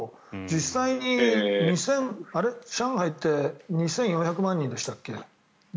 実際に上海って、人口が２４００万人でしたっけ。